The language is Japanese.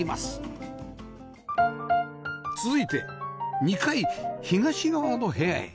続いて２階東側の部屋へ